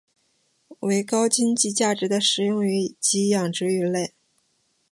为高经济价值的食用鱼及养殖鱼类。